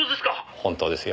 本当ですよ。